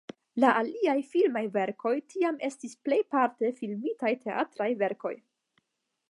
La aliaj filmaj verkoj tiam estis plejparte filmitaj teatraj verkoj.